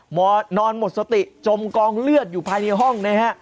นอนหมดสติจมกองเลือดอยู่ภายในห้องนะฮะ